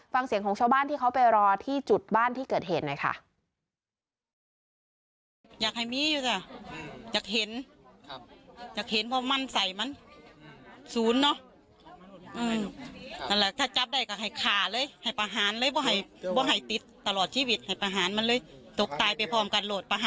ฟังเสียงของชาวบ้านที่เขาไปรอที่จุดบ้านที่เกิดเหตุหน่อยค่ะ